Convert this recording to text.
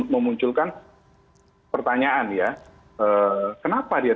memunculkan pertanyaan ya kenapa dia